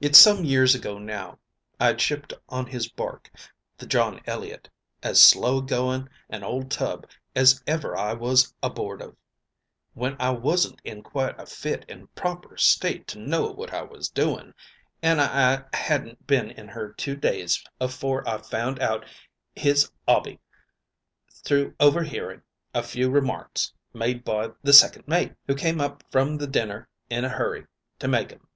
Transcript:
"It's some few years ago now; I'd shipped on his bark, the John Elliott, as slow going an old tub as ever I was aboard of, when I wasn't in quite a fit an' proper state to know what I was doing, an' I hadn't been in her two days afore I found out his 'obby through overhearing a few remarks made by the second mate, who came up from dinner in a hurry to make 'em.